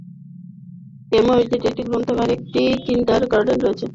এই মসজিদে একটি গ্রন্থাগার ও একটি কিন্ডারগার্টেন রয়েছে।